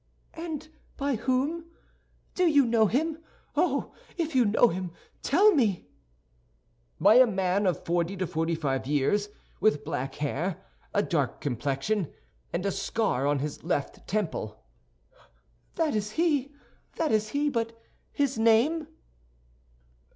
"And by whom? Do you know him? Oh, if you know him, tell me!" "By a man of from forty to forty five years, with black hair, a dark complexion, and a scar on his left temple." "That is he, that is he; but his name?"